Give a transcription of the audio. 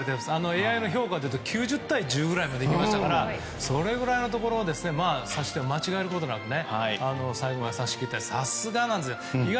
ＡＩの評価だと９０対１０くらいまで行きましたからそれぐらいのところを指し手を間違えることなく最後まで指し切ってさすがですね。